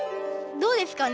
どうですかね？